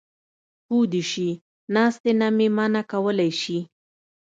پو دې شي ناستې نه مې منع کولی شي.